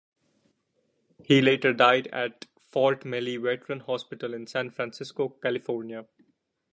He later died at Fort Miley Veterans Hospital in San Francisco, California.